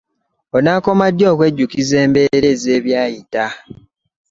Onakoma ddi okwejjukiriza embeera ez'ebyayita.